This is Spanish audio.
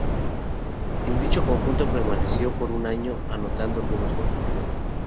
En dicho conjunto permaneció por un año, anotando algunos goles.